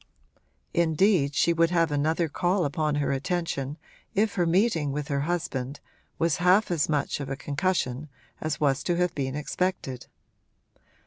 Indeed she would have another call upon her attention if her meeting with her husband was half as much of a concussion as was to have been expected.